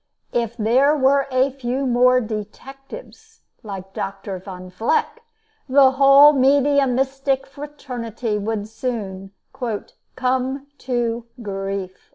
If there were a few more "detectives" like Doctor Von Vleck, the whole mediumistic fraternity would soon "come to grief."